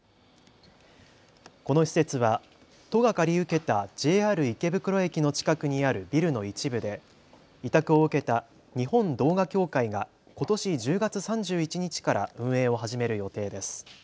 この施設は都が借り受けたＪＲ池袋駅の近くにあるビルの一部で委託を受けた日本動画協会がことし１０月３１日から運営を始める予定です。